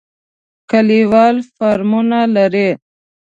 کلیوال فارمونه لري.